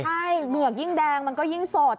ใช่เหมือกยิ่งแดงมันก็ยิ่งสด